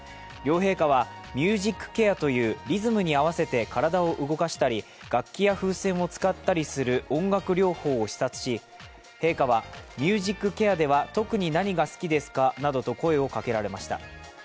両陛下は、ミュージックケアというリズムに合わせて体を動かしたり、楽器や風船を遣ったりする音楽療法を視察し、陛下はミュージックケアでは特に何が好きですか？などと声をかけられました。